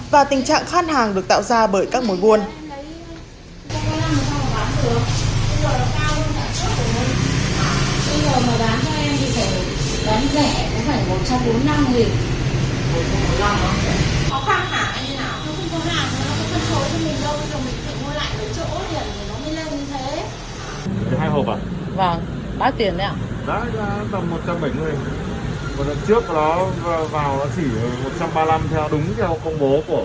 khát hàng được tạo ra bởi các mối nguồn